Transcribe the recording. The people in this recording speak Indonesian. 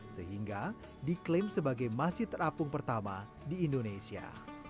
sehingga diklaim sebagai masjid terapung pertama di indonesia